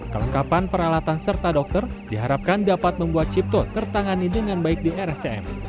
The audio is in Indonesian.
kelengkapan peralatan serta dokter diharapkan dapat membuat cipto tertangani dengan baik di rscm